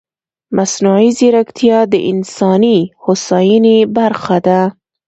مصنوعي ځیرکتیا د انساني هوساینې برخه ده.